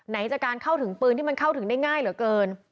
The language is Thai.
จากการเข้าถึงปืนที่มันเข้าถึงได้ง่ายเหลือเกิน